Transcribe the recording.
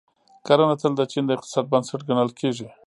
کرنه تل د چین د اقتصاد بنسټ ګڼل کیږي.